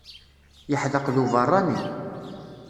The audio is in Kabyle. Yeḥdeq d uberranni.